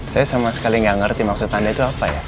saya sama sekali nggak ngerti maksud anda itu apa ya